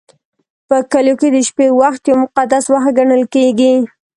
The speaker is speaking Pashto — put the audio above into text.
په کلیو کې د شپې وخت یو مقدس وخت ګڼل کېږي.